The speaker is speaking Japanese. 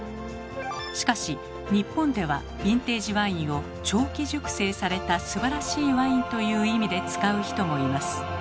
しかし日本では「ヴィンテージワイン」を「長期熟成されたすばらしいワイン」という意味で使う人もいます。